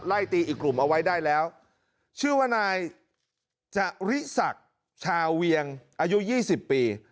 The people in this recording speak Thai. ไล่ตีอีกกลุ่มเอาไว้ได้แล้วชื่อว่านายจริสักชาวเวียงอายุยี่สิบปี